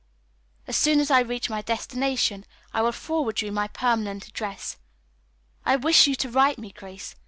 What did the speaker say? "As soon as I reach my destination I will forward you my permanent address. I wish you to write me, Grace.